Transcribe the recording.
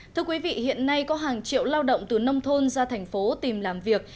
thưa quý vị hiện nay có hàng triệu lao động từ nông thôn ra thành phố tìm làm việc